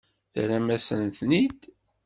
Terram-asen-ten-id.